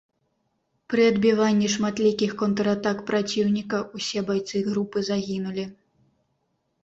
Пры адбіванні шматлікіх контратак праціўніка усе байцы групы загінулі.